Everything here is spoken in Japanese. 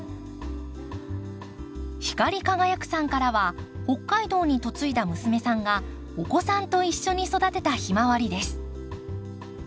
ひかりかがやくさんからは北海道に嫁いだ娘さんがお子さんと一緒に育てたヒマワリです。